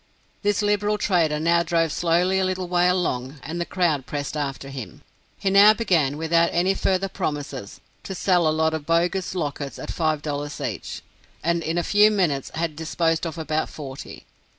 This liberal trader now drove slowly a little way along, and the crowd pressed after him. He now began, without any further promises, to sell a lot of bogus lockets at five dollars each, and in a few minutes had disposed of about forty.